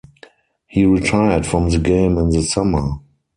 He retired from the game in the summer.